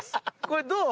これどう？